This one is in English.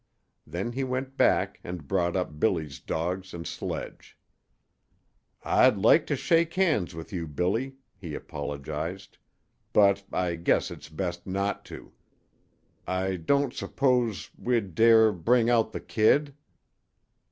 Then he went back and brought up Billy's dogs and sledge. "I'd like to shake hands with you, Billy," he apologized, "but I guess it's best not to. I don't suppose we'd dare bring out the kid?"